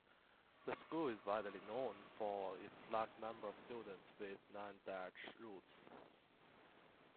The school is widely known for its large number of students with non-Dutch roots.